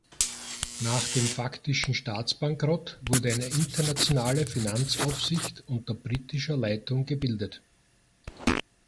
Nach dem faktischen Staatsbankrott wurde eine internationale Finanzaufsicht unter britischer Leitung gebildet.